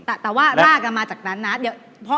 แต่ว่ารากกันมาจากนั้นนะ